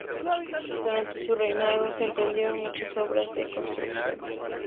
Durante su reinado se emprendieron muchas obras de construcción.